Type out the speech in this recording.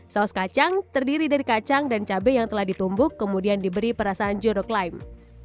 saus kacang terdiri dari kacang dan cabai yang telah ditumbuk kemudian diberi perasaan jeruk lime